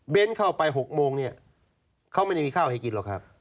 เบนท์เข้าไป๖โมงเขาไม่ได้มีข้าวให้กินหรอกครับ